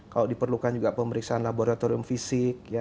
kalau diperlukan juga pemeriksaan laboratorium fisik